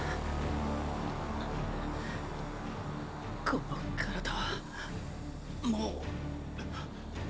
この体はもう。